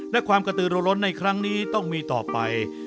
และความกระตือร้นในครั้งนี้ต้องมีต่อไป